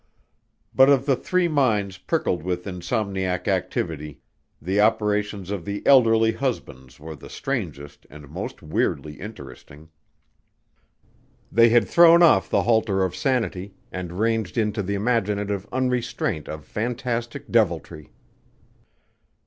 But of the three minds prickled with insomniac activity, the operations of the elderly husband's were the strangest and most weirdly interesting. They had thrown off the halter of sanity and ranged into the imaginative unrestraint of fantastic deviltry.